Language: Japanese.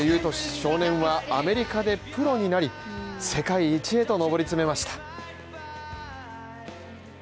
少年はアメリカでプロになり、世界一へと上り詰めました。